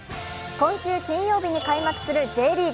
今週金曜日に開幕するＪリーグ。